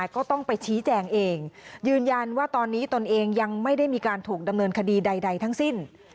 ก็ต้องไปชี้แจงเองยืนยันว่าตอนนี้ตนเองยังไม่ได้มีการถูกดำเนินคดีใดทั้งสิ้น